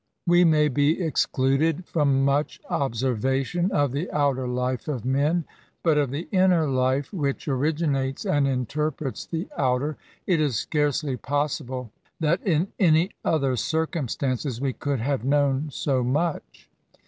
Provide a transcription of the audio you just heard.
We may be excluded from much observation of the outer life of men ; but of the inner life, which originates and interprets the outer, it is scarcely possible that in any other circumstances we could have known so much.